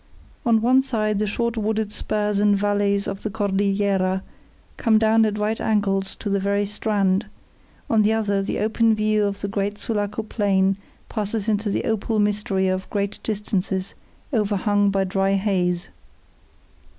On one side the short wooded spurs and valleys of the Cordillera come down at right angles to the very strand; on the other the open view of the great Sulaco plain passes into the opal mystery of great distances overhung by dry haze.